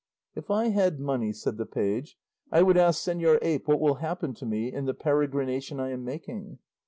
"If I had money," said the page, "I would ask señor ape what will happen to me in the peregrination I am making."